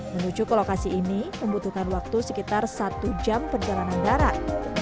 menuju ke lokasi ini membutuhkan waktu sekitar satu jam perjalanan darat